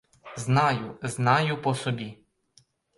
Знаю, знаю по собі!